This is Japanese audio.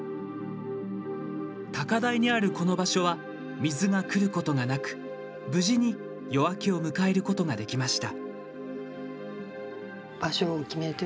高台にあるこの場所は水がくることがなく無事に夜明けを迎えることができました。